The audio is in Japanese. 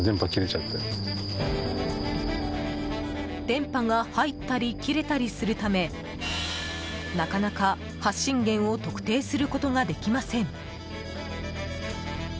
電波が入ったり切れたりするためなかなか発信源を特定することができません。